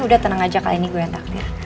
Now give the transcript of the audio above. udah tenang aja kali ini gue yang takdir